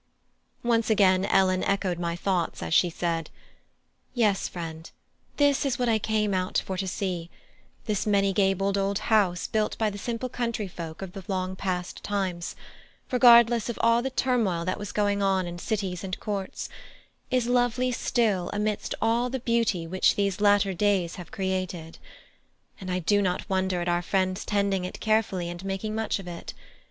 Once again Ellen echoed my thoughts as she said: "Yes, friend, this is what I came out for to see; this many gabled old house built by the simple country folk of the long past times, regardless of all the turmoil that was going on in cities and courts, is lovely still amidst all the beauty which these latter days have created; and I do not wonder at our friends tending it carefully and making much of it.